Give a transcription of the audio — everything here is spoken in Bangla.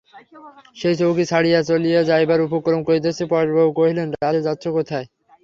সে চৌকি ছাড়িয়া চলিয়া যাইবার উপক্রম করিতেই পরেশবাবু কহিলেন, রাধে, যাচ্ছ কোথায়?